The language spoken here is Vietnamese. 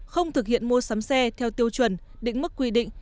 không thực hiện mua sắm xe theo tiêu chuẩn định mức quy định